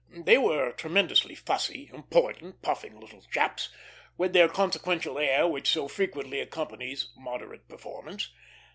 They were tremendously fussy, important, puffing little chaps, with that consequential air which so frequently accompanies moderate performance.